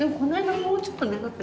もうちょっと長くなかった？